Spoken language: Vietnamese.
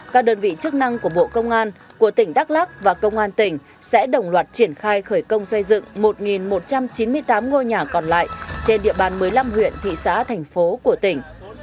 các đơn vị chức năng của bộ công an của tỉnh đắk lắc và công an tỉnh sẽ đồng loạt triển khai khởi công xây dựng một một trăm chín mươi tám ngôi nhà còn lại trên địa bàn một mươi năm huyện thị xã thành phố của tỉnh